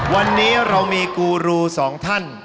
วันนี้เรามีกูรูสองท่าน